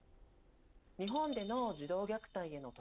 日本での児童虐待への取り組み